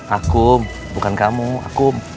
akum bukan kamu akum